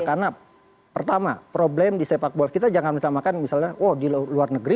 karena pertama problem di sepak bola kita jangan disamakan misalnya di luar negeri